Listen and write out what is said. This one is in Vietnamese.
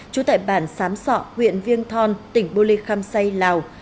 chú tại bản sám sọ huyện viêng thon tỉnh bô ly khăm xây lào